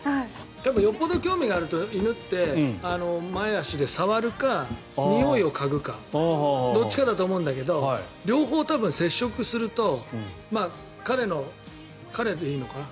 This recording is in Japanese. よっぽど興味があると犬って前足で触るかにおいを嗅ぐかどっちかだと思うんだけど両方多分、接触すると彼の、彼でいいのかな？